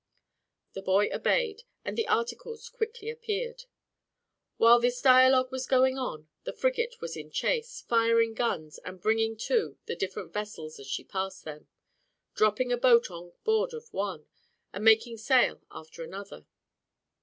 The boy obeyed and the articles quickly appeared. While this dialogue was going on, the frigate was in chase, firing guns, and bringing to the different vessels as she passed them, dropping a boat on board of one, and making sail after another.